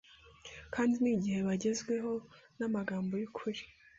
kandi n’igihe bagezweho n’amagambo y’ukuri,